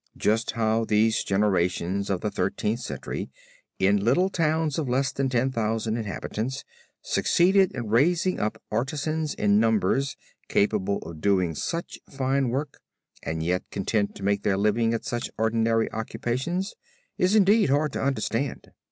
Just how these generations of the Thirteenth Century, in little towns of less than ten thousand inhabitants, succeeded in raising up artisans in numbers, capable of doing such fine work, and yet content to make their living at such ordinary occupations, is indeed hard to understand.